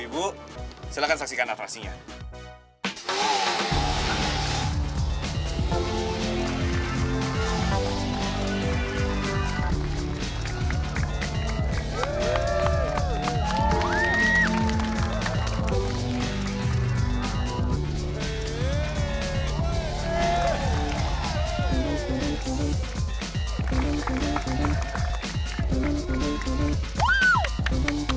itu juga ada haikal sama ian